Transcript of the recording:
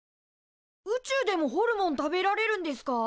宇宙でもホルモン食べられるんですか？